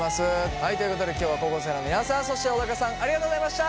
はいということで今日は高校生の皆さんそして小高さんありがとうございました。